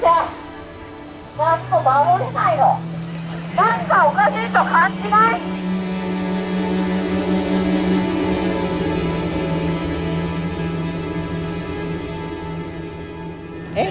何かおかしいと感じない？えっ？